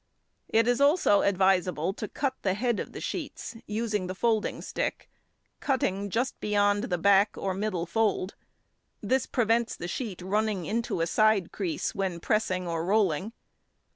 It is also advisable to cut the head of the sheets, using the folding stick, cutting just beyond the back or middle fold; this prevents the sheet running into a side crease when pressing or rolling.